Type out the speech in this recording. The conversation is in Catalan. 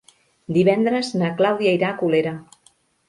Divendres na Clàudia irà a Colera.